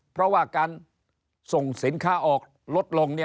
เพราะว่าการส่งสินค้าออกลดลง